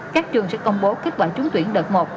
các trường sẽ công bố kết quả trúng tuyển đợt một